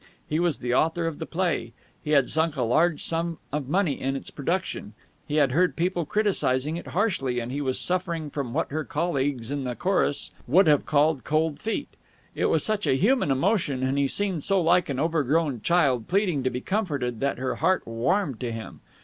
He was the author of the play. He had sunk a large sum of money in its production, he had heard people criticizing it harshly, and he was suffering from what her colleagues in the chorus would have called cold feet. It was such a human emotion and he seemed so like an overgrown child pleading to be comforted that her heart warmed to him.